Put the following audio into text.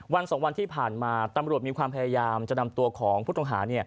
วัน๒วันที่ผ่านมาตำรวจมีความพยายามจะนำตัวของผู้ต้องหา